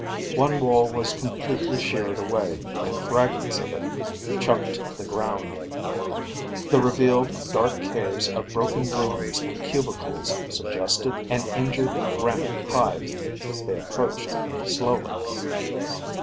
One wall was completely sheared away and fragments of it chunked the ground. The revealed dark caves of broken rooms and cubicles suggested an injured granite hive. They approached slowly.